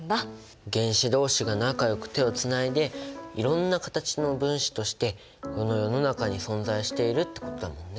原子同士が仲よく手をつないでいろんな形の分子としてこの世の中に存在しているってことだもんね。